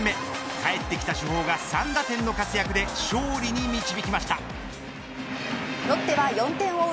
帰ってきた主砲が３打点の活躍で勝利に導きましたロッテは４点を追う